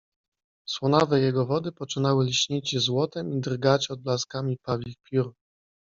Słonawe jego wody poczynały lśnić złotem i drgać odblaskami pawich piór.